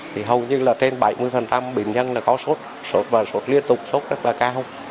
thì hầu như là trên bảy mươi bệnh nhân là có sốt sốt và sốt liên tục sốt rất là cao